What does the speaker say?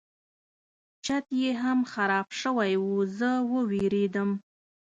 چت یې هم خراب شوی و زه وویرېدم.